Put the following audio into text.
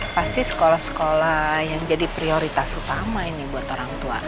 pasti sekolah sekolah yang jadi prioritas utama ini buat orang tua